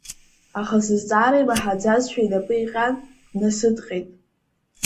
Аха сызҵаара имаҳаӡазшәа инапы иҟьан, днасыдҟьеит.